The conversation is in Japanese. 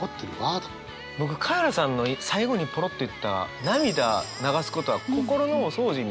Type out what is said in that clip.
僕カエラさんの最後にポロッと言った涙を流すことは心のお掃除みたいな。